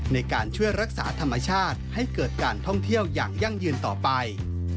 ในการช่วยรักษาธรรมชาติให้เกิดการท่องเที่ยวอย่างยั่งยืนต่อไป